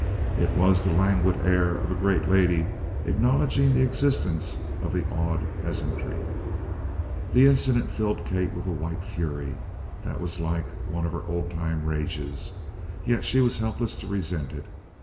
It was the languid air of a great lady acknowledging the existence of the awed peasantry. The incident filled Kate with a white fury that was like one of her old time rages. Yet she was helpless to resent it.